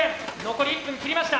残り１分切りました。